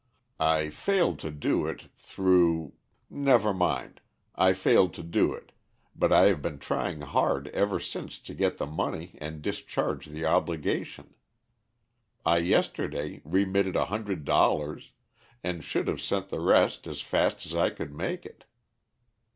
I failed to do it, through never mind, I failed to do it, but I have been trying hard ever since to get the money and discharge the obligation. I yesterday remitted a hundred dollars, and should have sent the rest as fast as I could make it.